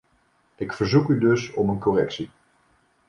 Ik verzoek u dus om een correctie.